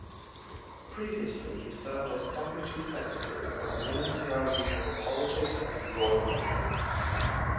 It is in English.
Previously he served as deputy secretary of Ningxia Regional Politics and Law Commission.